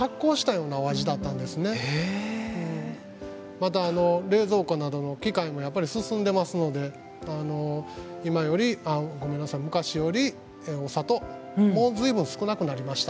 また冷蔵庫などの機械もやっぱり進んでますので昔よりお砂糖も随分少なくなりました。